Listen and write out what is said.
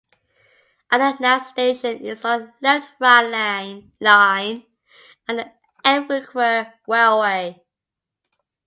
Andernach station is on the Left Rhine line and the Eifelquer Railway.